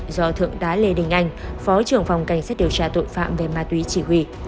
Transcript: do thượng đá lê đình anh phó trưởng phòng cảnh sát điều tra tội phạm về ma túy chỉ huy